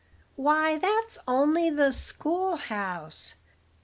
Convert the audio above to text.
"Why, that's only the schoolhouse."